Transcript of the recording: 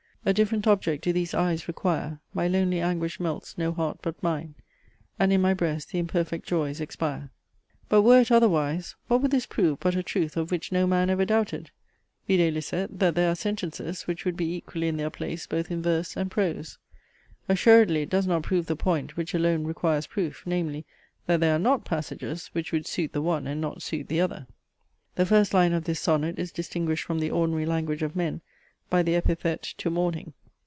"A different object do these eyes require; My lonely anguish melts no heart but mine; And in my breast the imperfect joys expire." But were it otherwise, what would this prove, but a truth, of which no man ever doubted? videlicet, that there are sentences, which would be equally in their place both in verse and prose. Assuredly it does not prove the point, which alone requires proof; namely, that there are not passages, which would suit the one and not suit the other. The first line of this sonnet is distinguished from the ordinary language of men by the epithet to morning.